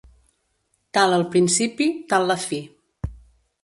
Tal el principi, tal la fi.